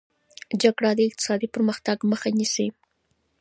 جګړه د اقتصادي پرمختګ مخه نیسي.